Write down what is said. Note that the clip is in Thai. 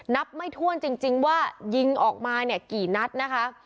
นับไม่ถ้วนจริงว่ายิงออกมาเนี่ยกี่นัดนะคะ